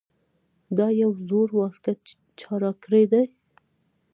دا یو زوړ واسکټ چا راکړے دے ـ